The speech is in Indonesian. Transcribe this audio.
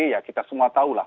ya kita semua tahulah